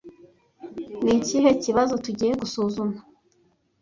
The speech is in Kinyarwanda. Ni ikihe kibazo tugiye gusuzuma